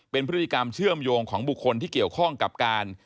เป็นพฤติกรรมเชื่อมโยงของบุคคลที่เกี่ยวข้องกับการ